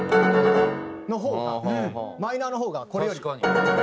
の方がマイナーの方がこれより。